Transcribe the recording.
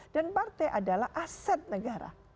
dan partai adalah aset negara